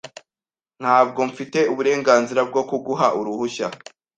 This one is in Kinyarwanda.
Ntabwo mfite uburenganzira bwo kuguha uruhushya.